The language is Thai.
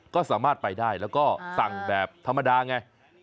ก็สามารถไปได้แล้วก็สั่งแบบธรรมดาไง